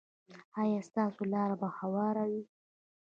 ایا ستاسو لاره به هواره وي؟